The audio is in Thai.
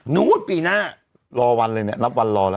นู้นปีหน้ารอวันเลยเนี่ยนับวันรอเลย